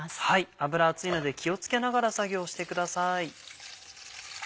油熱いので気を付けながら作業してください。